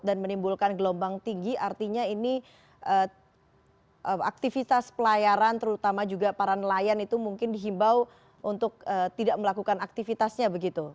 menimbulkan gelombang tinggi artinya ini aktivitas pelayaran terutama juga para nelayan itu mungkin dihimbau untuk tidak melakukan aktivitasnya begitu